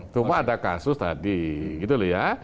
cuma ada kasus tadi gitu loh ya